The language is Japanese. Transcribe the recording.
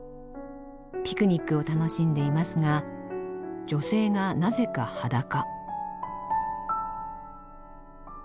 ピクニックを楽しんでいますが女性がなぜか裸。